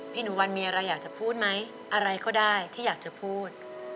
หนูวันมีอะไรอยากจะพูดไหมอะไรก็ได้ที่อยากจะพูด